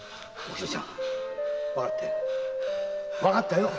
わかった。